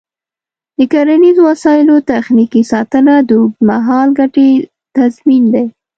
د کرنیزو وسایلو تخنیکي ساتنه د اوږدمهاله ګټې تضمین دی.